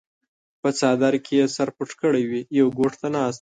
پۀ څادر کښې ئې سر پټ کړے وي يو ګوټ ته ناست وي